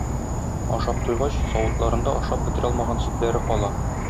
Ашап туйгач, савытларында ашап бетерә алмаган сөтләре кала.